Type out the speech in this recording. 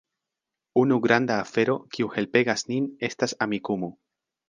Unu granda afero, kiu helpegas nin, estas Amikumu.